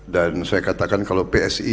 dan saya katakan kalau psi